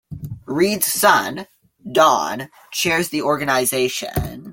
Reed's son, Don, chairs the organization.